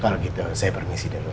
kalau gitu saya permisi dulu